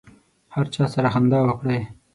هر چا سره خندا وکړئ.